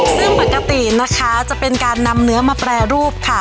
ซึ่งปกตินะคะจะเป็นการนำเนื้อมาแปรรูปค่ะ